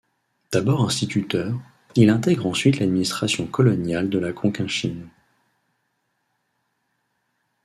D'abord instituteur, il intègre ensuite l'administration coloniale de la Cochinchine.